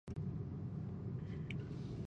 عام وګړي نور په ځمکو پورې تړلي پاتې نه شول.